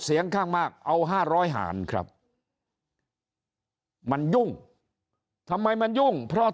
เสียงข้างมากเอา๕๐๐หารครับมันยุ่งทำไมมันยุ่งเพราะ